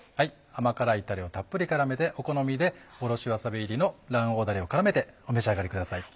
甘辛いたれをたっぷり絡めてお好みでおろしわさび入りの卵黄だれを絡めてお召し上がりください。